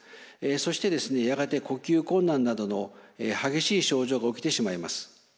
そしてやがて呼吸困難などの激しい症状が起きてしまいます。